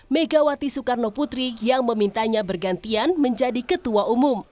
megawati soekarno putri yang memintanya bergantian menjadi ketua umum